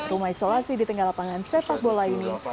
rumah isolasi di tengah lapangan sepak bola ini